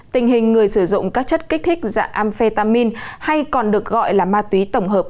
tình hình người sử dụng các chất kích thích dạng amphetamin hay còn được gọi là ma túy tổng hợp